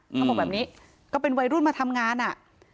เขาบอกแบบนี้ก็เป็นวัยรุ่นมาทำงานอ่ะ